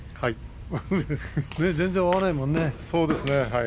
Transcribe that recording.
全然、会わないものね。